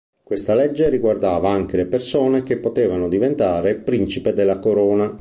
Questa legge riguardava anche le persone che potevano diventare principe della Corona.